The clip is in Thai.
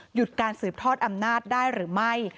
หยุดการสืบทอดอำนาจได้หรือไม่